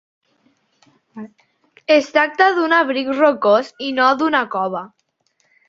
Es tracta d'un abric rocós i no d'una cova.